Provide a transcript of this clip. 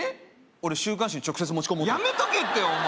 俺週刊誌に直接持ち込もうとやめとけってお前